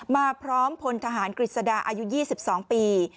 มาพร้อมพลทหารกฤษดาอายุ๒๒ปี